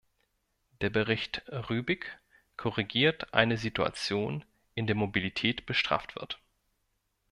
Der Bericht Rübig korrigiert eine Situation, in der Mobilität bestraft wird.